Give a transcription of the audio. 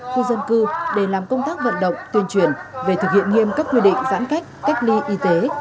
khu dân cư để làm công tác vận động tuyên truyền về thực hiện nghiêm các quy định giãn cách cách ly y tế